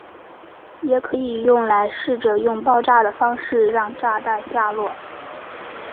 也可以用来试着用爆炸的方式让炸弹下落。